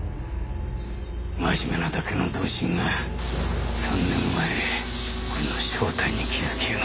真面目なだけの同心が３年前俺の正体に気付きやがった。